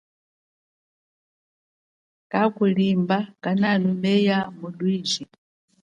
Kakhulimba kananumeya mulwiji.